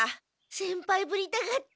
先輩ぶりたがって。